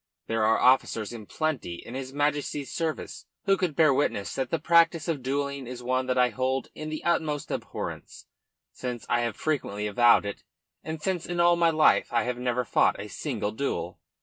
There are officers in plenty in his Majesty's service who could bear witness that the practice of duelling is one that I hold in the utmost abhorrence, since I have frequently avowed it, and since in all my life I have never fought a single duel.